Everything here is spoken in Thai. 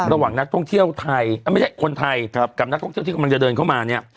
ระหว่างคนไทยกับนักท่องเที่ยวที่กำลังจะเดินเข้ามา